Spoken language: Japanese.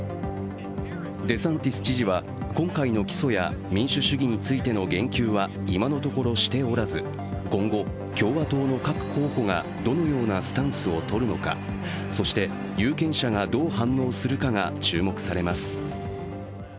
デサンティス知事は、今回の起訴や民主主義についての言及は今のところしておらず今後、共和党の各候補がどのようなスタンスを取るのかそして有権者がどう反応するかが注目されます。